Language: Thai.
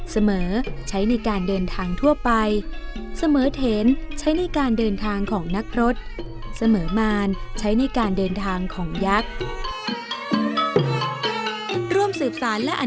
เสมอใช้ในการเดินทางทั่วไปเสมอเถนใช้ในการเดินทางของนักรถเสมอมารใช้ในการเดินทางของยักษ์